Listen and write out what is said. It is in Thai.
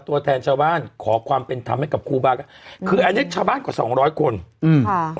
ตัวแทนชาวบ้านขอความเป็นธรรมให้กับครูบาก็คืออันนี้ชาวบ้านกว่าสองร้อยคนอืมค่ะ